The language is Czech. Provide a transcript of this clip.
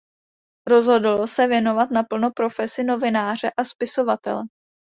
Rozhodl se věnovat naplno profesi novináře a spisovatele.